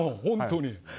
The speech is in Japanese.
本当に。